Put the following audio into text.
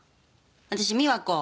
私美和子。